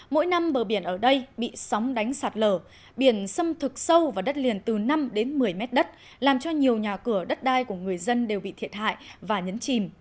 mỗi năm bờ biển ở đây bị sóng đánh sạt lở biển xâm thực sâu vào đất liền từ năm đến một mươi mét đất làm cho nhiều nhà cửa đất đai của người dân đều bị thiệt hại và nhấn chìm